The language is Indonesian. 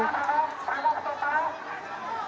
kemudian di perhentian ke arah tol